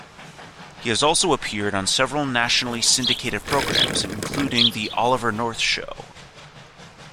He has also appeared on several nationally syndicated programs including the "Oliver North Show".